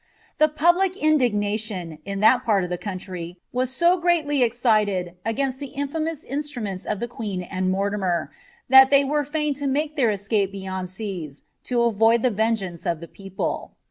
"' The public indignation, in that part of the country, wu M gntHf excited against the infamous instruments of the queen and MortiniBrftkH they were fain to make their escape beyond seas, to avoid the mtfrntt of the people.'